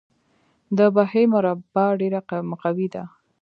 د بهي مربا ډیره مقوي ده.